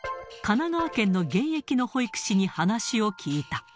神奈川県の現役の保育士に話を聞いた。